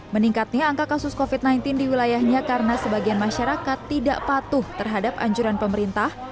meningkatnya angka kasus covid sembilan belas di wilayahnya karena sebagian masyarakat tidak patuh terhadap anjuran pemerintah